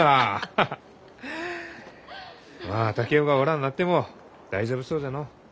まあ竹雄がおらんなっても大丈夫そうじゃのう。